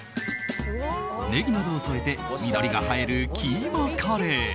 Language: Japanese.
ネギなどを添えて緑が映えるキーマカレー。